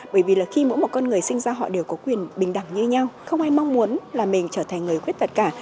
bởi vì là khi mỗi một con người sinh ra họ đều có quyền bình đẳng như nhau không ai mong muốn là mình trở thành người khuyết tật cả